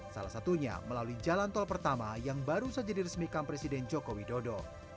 salah satunya melalui jalan tol pertama yang baru saja diresmikan presiden joko widodo